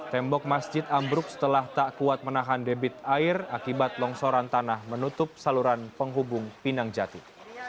tembok masjid ambruk setelah tak kuat menahan debit air akibat longsoran tanah menutup saluran penghubung pinang jati